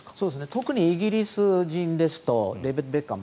特にイギリス人ですとデビッド・ベッカム